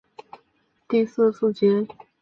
南传佛教称此为第四次结集。